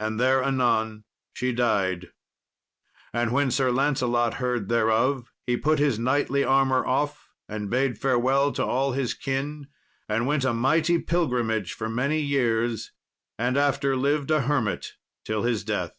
And there anon she died. And when Sir Lancelot heard thereof, he put his knightly armour off, and bade farewell to all his kin, and went a mighty pilgrimage for many years, and after lived a hermit till his death.